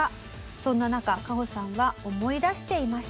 そんな中カホさんは思い出していました。